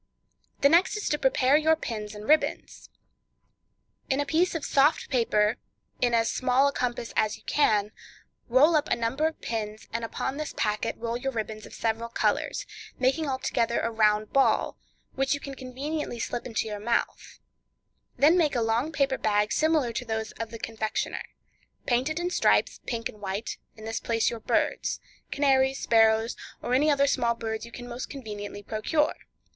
The next is to prepare your pins and ribbons. In a piece of soft paper, in as small a compass as you can, roll up a number of pins, and upon this packet roll your ribbons of different colors, making altogether a round ball, which you can conveniently slip into your mouth; then make a long paper bag similar to those of the confectioner; paint it in stripes—pink and white; in this place your birds—canaries, sparrows, or any small birds you can most conveniently procure.